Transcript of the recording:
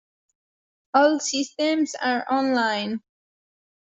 All systems are online.